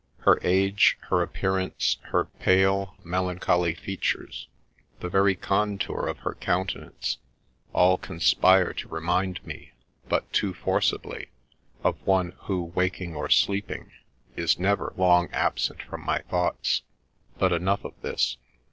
Her age, her appearance, her pale, melan choly features, the very contour of her countenance, all conspire to remind me, but too forcibly, of one who, waking or sleeping, is never long absent from my thoughts ;— but enough of this.